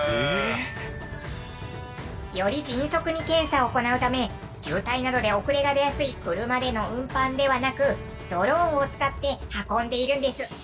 ええー！より迅速に検査を行うため渋滞などで遅れが出やすい車での運搬ではなくドローンを使って運んでいるんです。